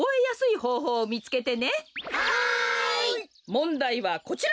もんだいはこちら。